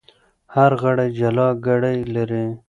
هر غړی جلا ګړۍ لري.